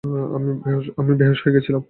আমি বেহুঁশ হয়ে গিয়েছিলাম।